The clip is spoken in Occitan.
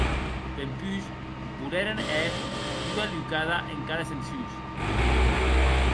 Dempús voleren èr ua lucada escales ensús.